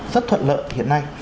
rất thuận lợi hiện nay